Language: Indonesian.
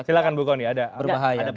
silahkan bu kony ada pendapat saya